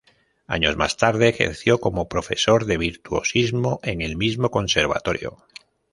Años más tarde ejerció como profesor de virtuosismo en el mismo conservatorio.